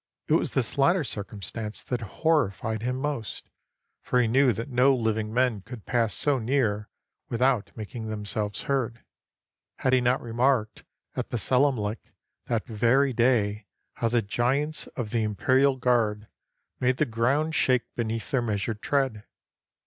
It was this latter circumstance that horrified him most, for he knew that no living men could pass so near without making themselves heard. Had he not remarked at the selamlik that very day how the giants of the Imperial Guard made the ground shake beneath their measured tread